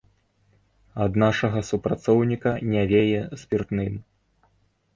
Ад нашага супрацоўніка не вее спіртным.